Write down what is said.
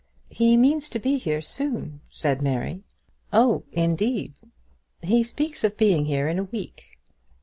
"He means to be here soon," said Mary. "Oh, indeed!" "He speaks of being here next week."